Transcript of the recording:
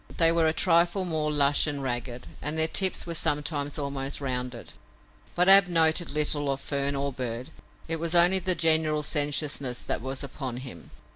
They were a trifle more lush and ragged, and their tips were sometimes almost rounded. But Ab noted little of fern or bird. It was only the general sensuousness that was upon him.